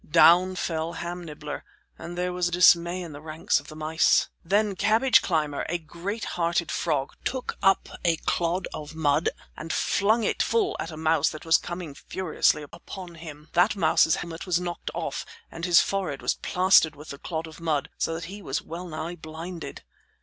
Down fell Ham Nibbler, and there was dismay in the ranks of the mice. Then Cabbage Climber, a great hearted frog, took up a clod of mud and flung it full at a mouse that was coming furiously upon him. That mouse's helmet was knocked off and his forehead was plastered with the clod of mud, so that he was well nigh blinded.